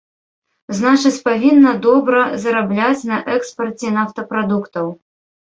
Значыць, павінна добра зарабляць на экспарце нафтапрадуктаў.